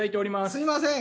すいません。